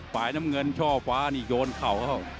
ฝ่ายน้ำเงินช่อฟ้านี่โยนเข่าเข้า